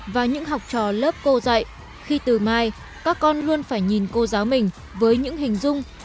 và những học trò lớp cô dạy khi từ mai các con luôn phải nhìn cô giáo mình với những hình dung